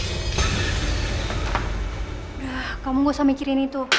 udah kamu gak usah mikirin itu